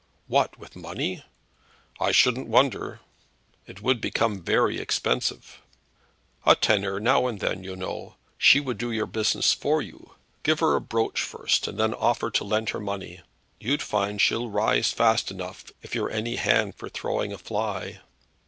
"What, with money?" "I shouldn't wonder." "It would come very expensive." "A tenner now and then, you know. She would do your business for you. Give her a brooch first, and then offer to lend her the money. You'd find she'll rise fast enough, if you're any hand for throwing a fly."